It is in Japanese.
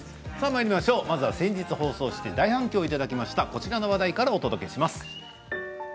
まずは先日放送して大反響いただきましたこちらの話題からです。